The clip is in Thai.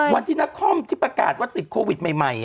วันที่นักคอมที่ประกาศว่าติดโควิดใหม่อ่ะ